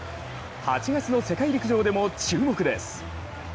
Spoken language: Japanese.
８月の世界陸上でも注目です。